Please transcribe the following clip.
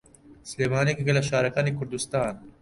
سلێمانی یەکێکە لە شارەکانی کوردستان.